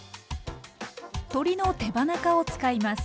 鶏の手羽中を使います。